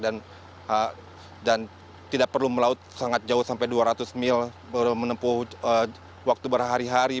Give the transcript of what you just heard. dan tidak perlu melaut sangat jauh sampai dua ratus mil menempuh waktu berhari hari